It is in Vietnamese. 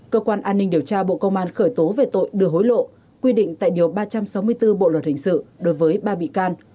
cơ quan an ninh điều tra bộ công an khởi tố về tội đưa hối lộ quy định tại điều ba trăm sáu mươi bốn bộ luật hình sự đối với ba bị can